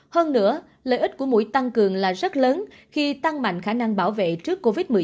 hơn nữa lợi ích của mũi tăng cường là rất lớn khi tăng mạnh khả năng bảo vệ trước covid một mươi chín